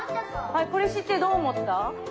はいこれ知ってどう思った？